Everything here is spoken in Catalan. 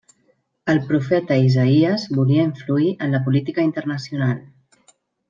El profeta Isaïes volia influir en la política internacional.